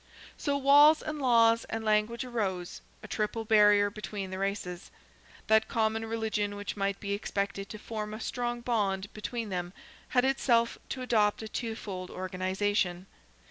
So walls, and laws, and language arose, a triple barrier between the races. That common religion which might be expected to form a strong bond between them had itself to adopt a twofold organization.